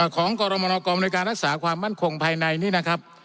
ของกรมนกรมโดยการรักษาความมั่นคงภายในนี่นะครับ